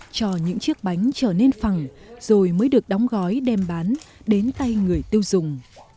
cho những chiếc bánh trở nên phẳng rồi mới được đóng gói đem bán đến tay người tiêu dùng